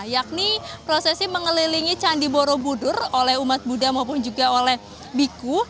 yakni prosesi mengelilingi candi borobudur oleh umat buddha maupun juga oleh biku